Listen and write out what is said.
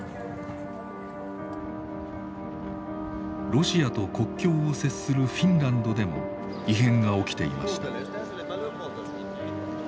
ロシアと国境を接するフィンランドでも異変が起きていました。